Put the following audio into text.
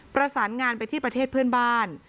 ประสานงานไปที่ประเทศเพื่อนบ้าน